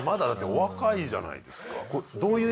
お若いじゃないですか。